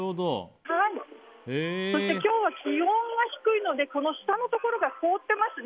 そして今日は気温が低いので下のところが凍っていますね。